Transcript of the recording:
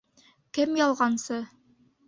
- Кем ялғансы?